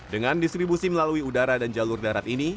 dengan distribusi melalui udara dan jalur darat ini